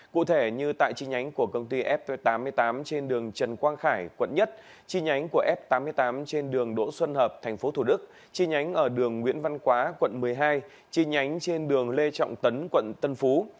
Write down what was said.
cụ thể như tại chi nhánh của công ty f tám mươi tám trên đường trần quang khải quận một chi nhánh của f tám mươi tám trên đường đỗ xuân hợp tp thủ đức chi nhánh ở đường nguyễn văn quá quận một mươi hai chi nhánh trên đường lê trọng tấn quận tân phú